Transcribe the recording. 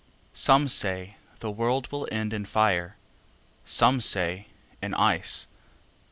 SOME say the world will end in fire, Some say in ice.